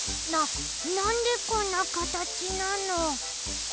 ななんでこんなかたちなの？